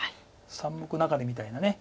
三目中手みたいな。